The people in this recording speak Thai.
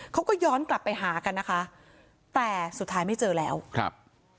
เขาก็ย้อนกลับไปหากันนะคะแต่สุดท้ายไม่เจอแล้วครับ